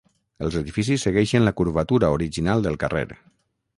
Els edificis segueixen la curvatura original del carrer.